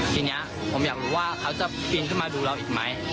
ทีนี้ผมอยากรู้ว่าเขาจะปีนขึ้นมาดูเราอีกไหม